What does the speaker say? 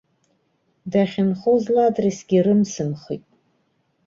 Дахьынхоз ладресгьы рымсымхит.